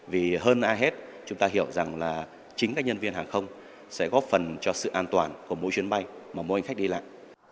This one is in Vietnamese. vì hơn ai hết chúng ta hiểu rằng là chính các nhân viên hàng không sẽ góp phần cho sự an toàn của mỗi chuyến bay mà mỗi hành khách đi lại